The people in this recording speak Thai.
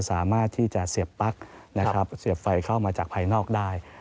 สามารถที่จะเสียบปลั๊กนะครับเสียบไฟเข้ามาจากภายนอกได้